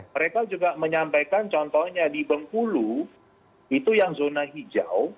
mereka juga menyampaikan contohnya di bengkulu itu yang zona hijau